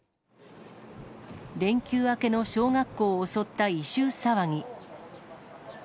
連休明けの小学校を襲った異臭騒ぎ。